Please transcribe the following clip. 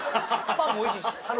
パンもおいしいし。